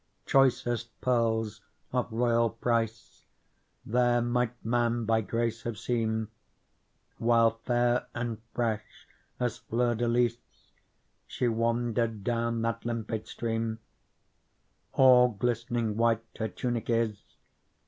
Choicest pearls of royal price. There might man by grace have seen. While fair and fresh as fleur de lys She wandered down that limpid stream ; All glistering white her tunic is.